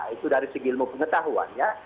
itu dari segi ilmu pengetahuan ya